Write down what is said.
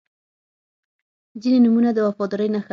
• ځینې نومونه د وفادارۍ نښه ده.